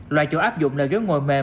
loại chỗ áp dụng là ghế ngồi mềm